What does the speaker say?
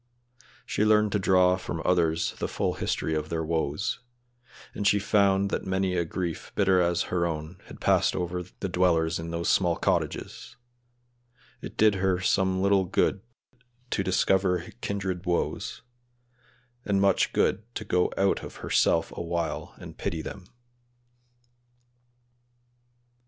She learned to draw from others the full history of their woes; and she found that many a grief bitter as her own had passed over the dwellers in those small cottages; it did her some little good to discover kindred woes, and much good to go out of herself a while and pity them.